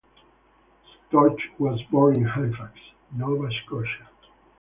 Storch was born in Halifax, Nova Scotia.